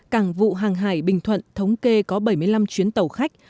cảng vụ hàng hải bình thuận thống kê có bảy mươi năm chuyến tàu khách